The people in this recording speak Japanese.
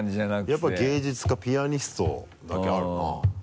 やっぱり芸術家ピアニストだけあるな。